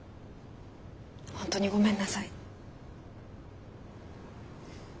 本当にごめんなさい。